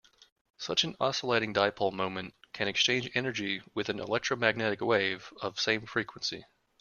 Such an oscillating dipole moment can exchange energy with an electromagnetic wave of same frequency.